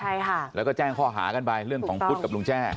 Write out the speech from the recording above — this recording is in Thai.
เราเรก็แจ้งข้อหากันไปเรื่องพุฑ์กับลุงแจ้